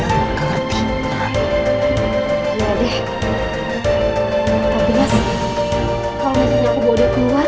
kalau nanti aku bawa dia keluar